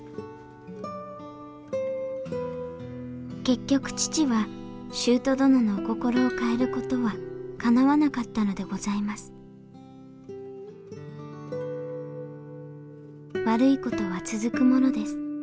結局父は舅殿のお心を変える事はかなわなかったのでございます悪い事は続くものです。